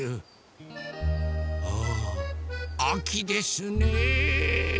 あぁあきですね。